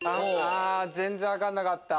全然分かんなかった。